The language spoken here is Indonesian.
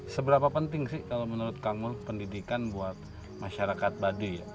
seberapa penting sih kalau menurut kang mul pendidikan buat masyarakat baduy ya